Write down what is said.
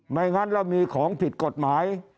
ไม่งั้นเรามีของผิดกฎหมาย